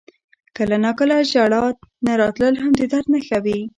• کله ناکله ژړا نه راتلل هم د درد نښه وي.